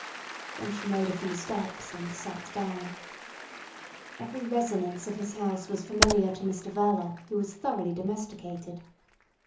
Then she made a few steps, and sat down. Every resonance of his house was familiar to Mr Verloc, who was thoroughly domesticated.